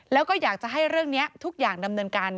แล้วก็อยากจะให้เรื่องนี้ทุกอย่างดำเนินการ